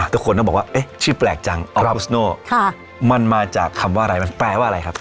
ทุกคนต้องบอกว่าเอ๊ะชื่อแปลกจังออฟุสโน่มันมาจากคำว่าอะไรมันแปลว่าอะไรครับ